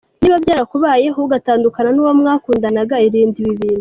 Niba byarakubayeho, ugatandukana n’uwo mwakundanaga irinde ibi bintu:.